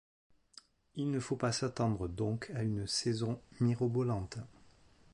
Il ne faut pas s'attendre donc à une saison mirobolante.